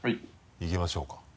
いきましょうか？